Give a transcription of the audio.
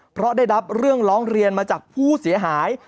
เพราะได้รับเรื่องร้องเรียนมาจากผู้เสียหาย